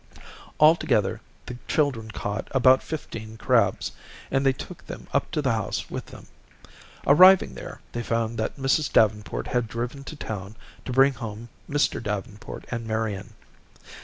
Altogether, the children caught about fifteen crabs, and they took them up to the house with them. Arriving there, they found that Mrs. Davenport had driven to town to bring home Mr. Davenport and Marian.